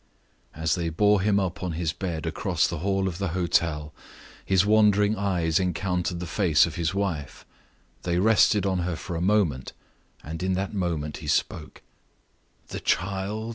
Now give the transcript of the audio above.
As they bore him on his bed across the hall of the hotel, his wandering eyes encountered the face of his wife. They rested on her for a moment, and in that moment he spoke. "The child?"